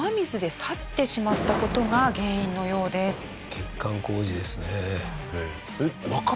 欠陥工事ですね。